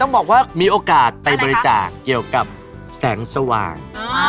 บอกว่ามีโอกาสไปบริจาคเกี่ยวกับแสงสว่าง